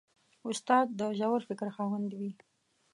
استاد د ژور فکر خاوند وي.